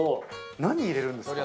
何入れるんですかね？